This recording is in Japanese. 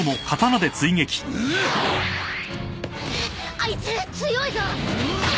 あいつ強いぞ。